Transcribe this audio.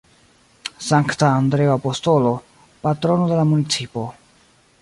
Sankta Andreo Apostolo, Patrono de la municipo.